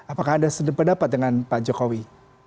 apakah anda sedap pendapat dengan pak jokowi